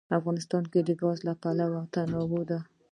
افغانستان د ګاز له پلوه متنوع دی.